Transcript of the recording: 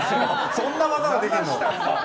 そんな技ができるんだ。